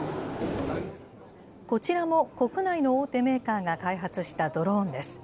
こちらも国内の大手メーカーが開発したドローンです。